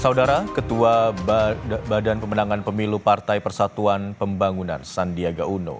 saudara ketua badan pemenangan pemilu partai persatuan pembangunan sandiaga uno